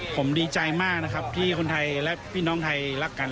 ผมดีใจมากนะครับที่คนไทยและพี่น้องไทยรักกัน